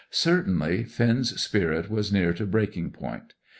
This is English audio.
Certainly, Finn's spirit was near to breaking point.